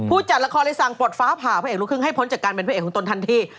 จัดละครเลยสั่งปลดฟ้าผ่าพระเอกลูกครึ่งให้พ้นจากการเป็นพระเอกของตนทันที